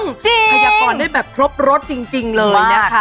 ยากรได้แบบครบรสจริงเลยนะคะ